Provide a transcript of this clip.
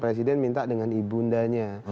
presiden minta dengan ibundanya